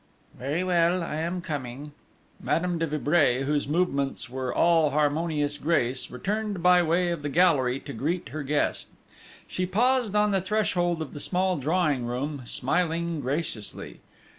"Very well. I am coming." Madame de Vibray, whose movements were all harmonious grace, returned by way of the gallery to greet her guest. She paused on the threshold of the small drawing room, smiling graciously.